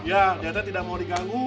ya ternyata tidak mau diganggu